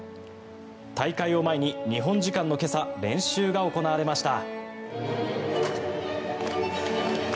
大会を前に日本時間の今朝練習が行われました。